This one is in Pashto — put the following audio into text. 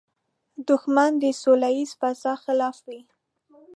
دښمن د سولیزې فضا خلاف وي